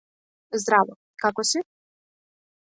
Здраво. Како си?